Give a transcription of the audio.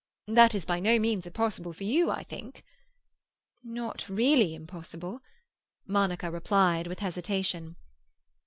"That is by no means impossible for you, I think?" "Not really impossible," Monica replied with hesitation.